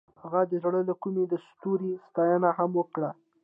هغې د زړه له کومې د ستوري ستاینه هم وکړه.